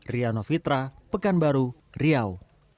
riano fitra pekanbaru riau